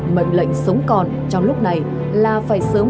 mệnh lệnh sống còn trong lúc này là phải sớm